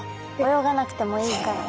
泳がなくてもいいから。